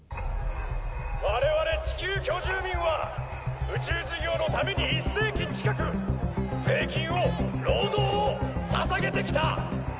我々地球居住民は宇宙事業のために１世紀近く税金を労働をささげてきた！